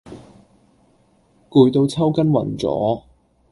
攰到抽筋暈咗